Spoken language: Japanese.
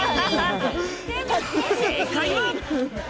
正解は。